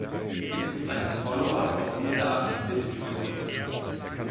Gibt es ein Follow-up auf diese Art von Petition?